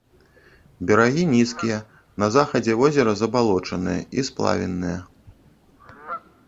Берагі нізкія, на захадзе возера забалочаныя і сплавінныя.